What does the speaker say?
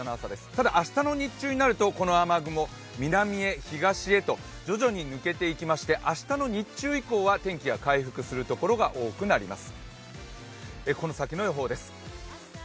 ただ明日の日中になると、この雨雲、南へ、東へと徐々に抜けていきまして、明日の日中以降は天気が回復するところが多くなります。